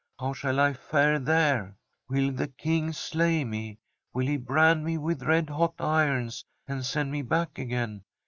How shall I fare there ? Will the King slay me ? Will he brand me with red hot irons, and send me back again